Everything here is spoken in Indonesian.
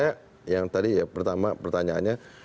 ya yang tadi ya pertama pertanyaannya